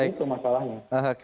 ini cuma salahnya